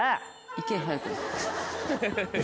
行け早く。